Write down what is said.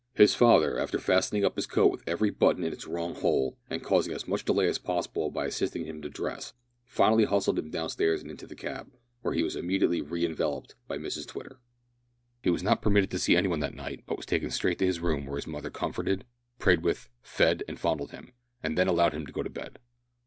His father, after fastening up his coat with every button in its wrong hole, and causing as much delay as possible by assisting him to dress, finally hustled him down stairs and into the cab, where he was immediately re enveloped by Mrs Twitter. He was not permitted to see any one that night, but was taken straight to his room, where his mother comforted, prayed with, fed and fondled him, and then allowed him to go to bed.